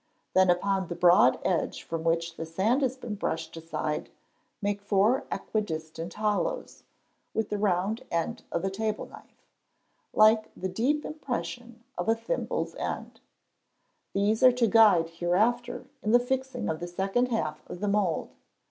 Then upon the broad edge from which the sand has been brushed, make four equi distant hollows (with the round end of a table knife), like the deep impression of a thimble's end. These are to guide hereafter in the fixing of the second half of the mould.